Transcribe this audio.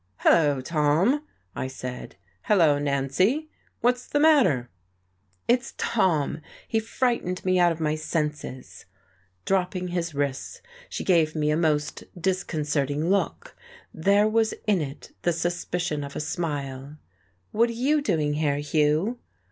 "Hello, Tom," I said. "Hello, Nancy. What's the matter?" "It's Tom he frightened me out of my senses." Dropping his wrists, she gave me a most disconcerting look; there was in it the suspicion of a smile. "What are you doing here, Hugh?"